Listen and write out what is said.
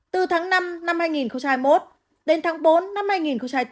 từ tháng năm năm hai nghìn hai mươi một đến tháng bốn năm hai nghìn hai mươi bốn